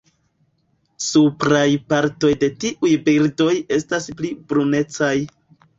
Supraj partoj de tiuj birdoj estas pli brunecaj.